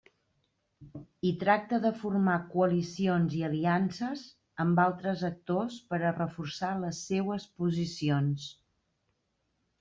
I tracta de formar coalicions i aliances amb altres actors per a reforçar les seues posicions.